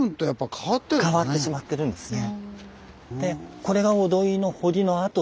変わってしまってるんですね。